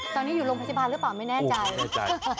ตอนนี้อยู่โรงพยาบาลหรือเปล่าไม่แน่ใจ